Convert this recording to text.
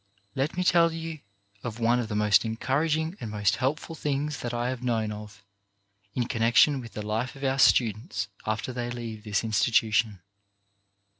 Let me tell you of one of the most encouraging and most helpful things that I have known of in connection with the life of our stu dents after they leave this institution.